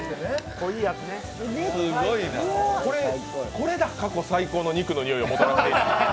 これだ、過去最高の肉の匂いをもたらしたのは。